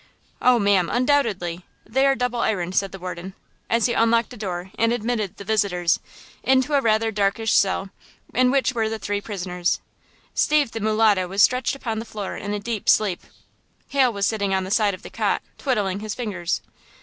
"Oh, ma'am, undoubtedly; they are double ironed," said the warden, as he unlocked a door and admitted the visitors, into rather a darkish cell, in which were the three prisoners. Steve the mulatto was stretched upon the floor in a deep sleep. Hal was sitting on the side of the cot, twiddling his fingers.